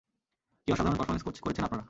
কী অসাধারণ পার্ফমেন্স করেছেন আপনারা।